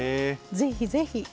ぜひぜひ。